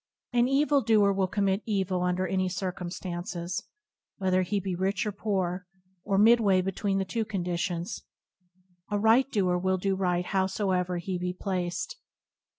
An evil doer will commit evil under any circumstances, whether he be rich or poor, or midway between the two conditions. A right doer will do right howsoever he be placed.